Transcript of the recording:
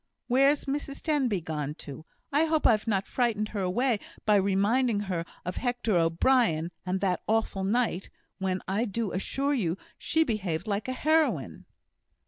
Where's Mrs Denbigh gone to? I hope I've not frightened her away by reminding her of Hector O'Brien, and that awful night, when I do assure you she behaved like a heroine!"